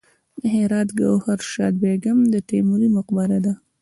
د هرات ګوهردش بیګم د تیموري مقبره ده